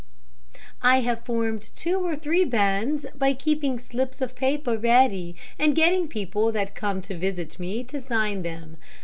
"I have formed two or three bands by keeping slips of paper ready, and getting people that come to visit me to sign them.